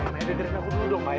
maya diterima dulu dong maya